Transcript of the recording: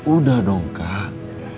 udah dong kak